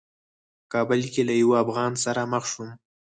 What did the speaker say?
په کابل کې له یوه افغان سره مخ شوم.